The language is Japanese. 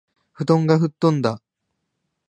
布団がふっとんだ